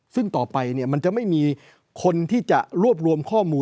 ซึ่งต่อไปมันจะไม่มีคนที่จะรวบรวมข้อมูล